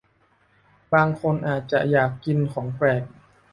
บางคนอาจจะอยากกินของแปลก